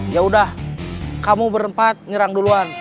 yaudah kamu berenpat nyerang duluan